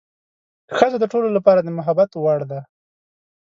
ښځه د ټولو لپاره د محبت وړ ده.